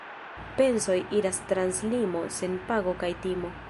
Pensoj iras trans limo sen pago kaj timo.